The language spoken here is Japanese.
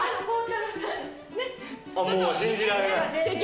もう信じられない？